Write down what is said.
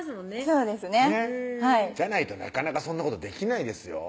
そうですねはいじゃないとなかなかそんなことできないですよ